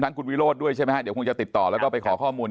คุณวิโรธด้วยใช่ไหมฮะเดี๋ยวคงจะติดต่อแล้วก็ไปขอข้อมูล